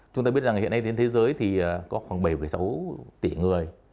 chúng ta biết rằng hiện nay trên thế giới thì có khoảng bảy sáu tỷ người